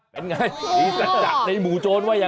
ก็อ่ะมีสัจจัดในหมู่โฉนย